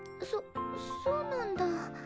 そそうなんだ。